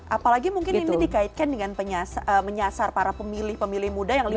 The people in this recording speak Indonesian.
apalagi mungkin ini dikaitkan dengan menyasar para pemilih pemilih muda yang lima puluh lebih